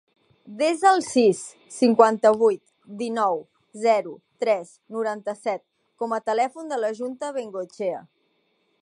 Desa el sis, cinquanta-vuit, dinou, zero, tres, noranta-set com a telèfon de la Juna Bengoechea.